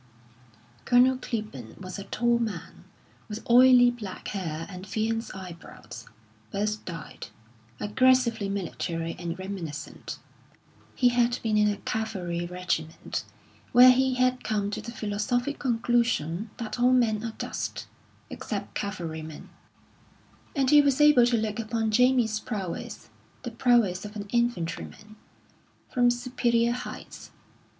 Colonel Clibborn was a tall man, with oily black hair and fierce eyebrows, both dyed; aggressively military and reminiscent He had been in a cavalry regiment, where he had come to the philosophic conclusion that all men are dust except cavalry men; and he was able to look upon Jamie's prowess the prowess of an infantryman from superior heights.